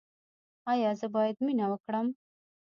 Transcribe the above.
ایا زه باید مینه وکړم؟